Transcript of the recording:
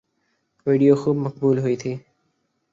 video خوب مقبول ہوئی تھی